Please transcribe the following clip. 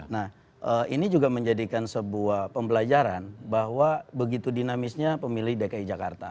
nah ini juga menjadikan sebuah pembelajaran bahwa begitu dinamisnya pemilih dki jakarta